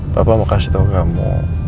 bapak mau kasih tau gak mau